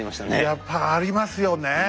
やっぱありますよね。